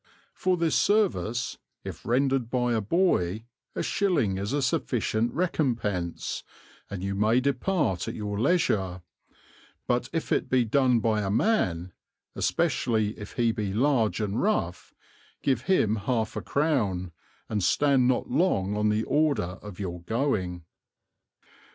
For this service, if rendered by a boy, a shilling is a sufficient recompense, and you may depart at your leisure; but if it be done by a man, especially if he be large and rough, give him half a crown, and stand not on the order of your going.